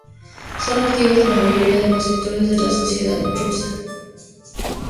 Son activos en la mayoría de los sectores de la sociedad rusa.